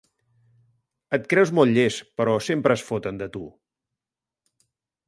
Et creus molt llest, però sempre es foten de tu.